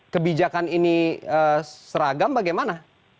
kebijakan ini seragam bagaimana